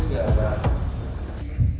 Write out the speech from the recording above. pemerintahan jokowi dodo dan ma'ruf amin